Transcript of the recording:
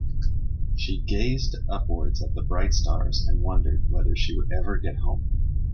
She gazed upwards at the bright stars and wondered whether she would ever get home.